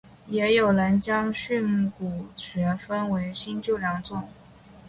也有人将训诂学分为新旧两种。